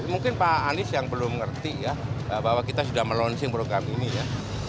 mungkin pak anies yang belum ngerti ya bahwa kita sudah melaunching program ini ya